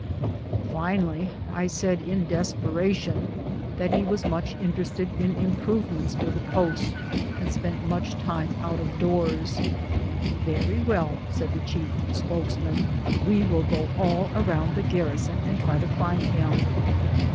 Finally I said, in desperation, he is much interested in improvements for the post, and spends much time out of doors. " Yery well," said the chief spokesman, " we will go all around the garrison and try to find him."